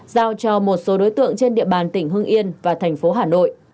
giao cho một số đối tượng trên địa bàn tỉnh hưng yên và thành phố hà nội